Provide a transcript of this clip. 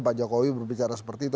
pak jokowi berbicara seperti itu